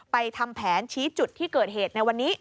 ทำแผนชี้จุดที่เกิดเหตุในวันนี้